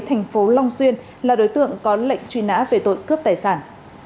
thành phố long xuyên là đối tượng có lệnh truy nã về tội cướp tài sản